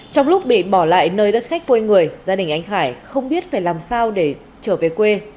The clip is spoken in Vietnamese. trong lúc bị bỏ lại nơi đất khách quê người gia đình anh khải không biết phải làm sao để trở về quê